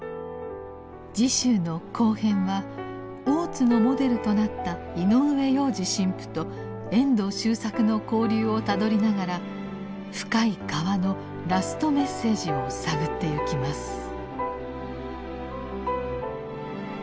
次週の「後編」は大津のモデルとなった井上洋治神父と遠藤周作の交流をたどりながら「深い河」のラスト・メッセージを探ってゆきます。